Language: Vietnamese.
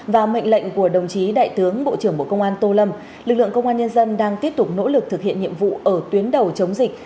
và mệnh lệnh của đồng chí đại tướng bộ trưởng bộ công an tô lâm lực lượng công an nhân dân đang tiếp tục nỗ lực thực hiện nhiệm vụ ở tuyến đầu chống dịch